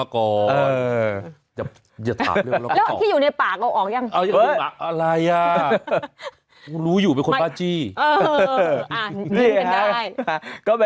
ครับ